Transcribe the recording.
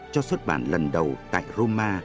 cho xuất bản lần đầu tại roma